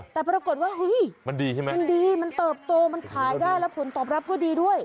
แต่ปรากฏว่ามันดีมันเติบโตมันขายได้แล้วผลตอบรับก็ดีด้วย